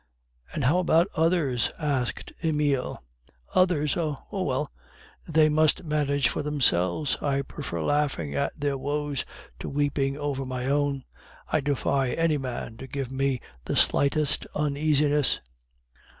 "And how about others?" asked Emile. "Others? Oh, well, they must manage for themselves. I prefer laughing at their woes to weeping over my own. I defy any man to give me the slightest uneasiness."